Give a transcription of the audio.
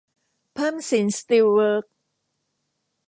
เพิ่มสินสตีลเวิคส์